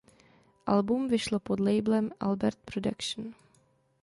Album vyšlo pod labelem Albert Production.